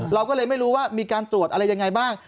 เราก็เลยไม่รู้ว่ามีการตรวจอะไรยังไงบ้าง